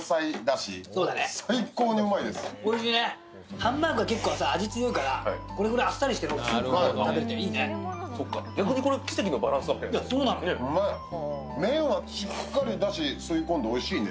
ハンバーグが結構味が強いからこれぐらいあっさりしてるのがいいね。